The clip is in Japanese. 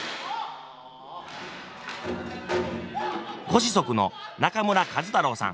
ご子息の中村壱太郎さん。